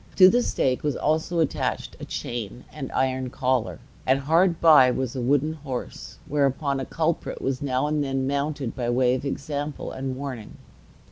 To the stake was also attached a chain and iron collar; and hard by was a wooden horse, whereon a culprit was now and then mounted by way of example and warning.